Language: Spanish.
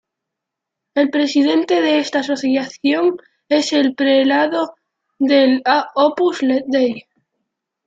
El presidente de esta asociación es el prelado del Opus Dei.